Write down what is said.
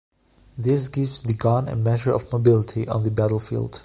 This gives the gun a measure of mobility on the battlefield.